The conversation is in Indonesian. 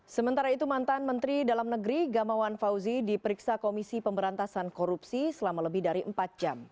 sementara itu mantan menteri dalam negeri gamawan fauzi diperiksa komisi pemberantasan korupsi selama lebih dari empat jam